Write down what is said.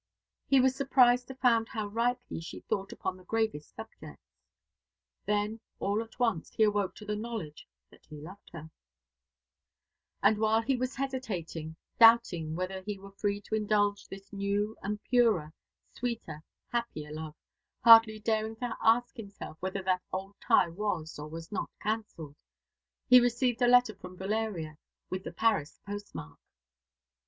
He was surprised to find how rightly she thought upon the gravest subjects. Then all at once he awoke to the knowledge that he loved her: and while he was hesitating, doubting whether he were free to indulge this new and purer, sweeter, happier love, hardly daring to ask himself whether that old tie was or was not cancelled, he received a letter from Valeria, with the Paris postmark.